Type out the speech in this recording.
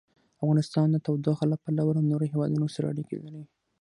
افغانستان د تودوخه له پلوه له نورو هېوادونو سره اړیکې لري.